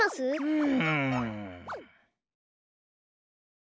うん。